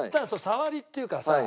さわりっていうかさ。